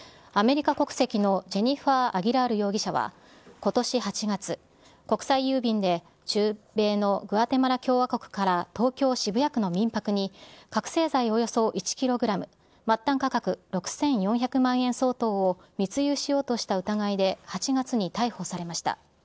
アメリカ国籍のジェニファー・アギラール容疑者はことし８月、国際郵便で、中米のグアテマラ郵便局から東京・渋谷区のみんぱくに、覚醒剤およそ１キログラム、末端価格６４００万円相当を密輸しようとした疑いで８月に逮捕されました。